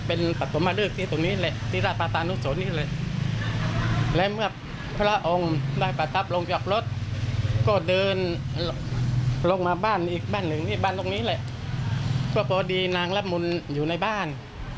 พอเดียวนางรับมุลอยู่ในบ้าน